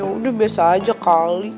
yaudah biasa aja kali